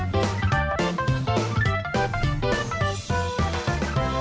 โปรดติดตามตอนต่อไป